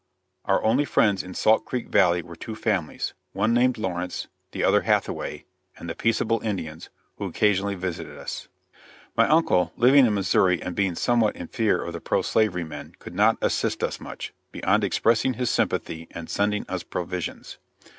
Our only friends in Salt Creek valley were two families; one named Lawrence, the other Hathaway, and the peaceable Indians, who occasionally visited us. My uncle, living in Missouri and being somewhat in fear of the pro slavery men, could not assist us much, beyond expressing his sympathy and sending us provisions.